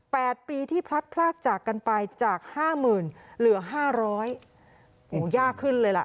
ปีที่พลัดพลากจากกันไปจากห้าหมื่นเหลือห้าร้อยโอ้โหยากขึ้นเลยล่ะ